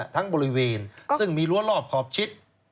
ทั้งบริเวณซึ่งมีรั้วรอบขอบชิด